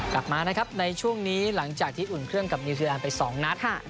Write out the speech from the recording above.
กลับมานะครับในช่วงนี้หลังจากที่อุ่นเครื่องกับนิวซีแลนด์ไป๒นัด